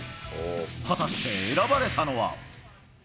果たして選ばれたのは。